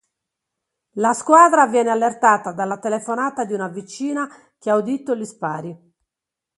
La squadra viene allertata dalla telefonata di una vicina che ha udito gli spari.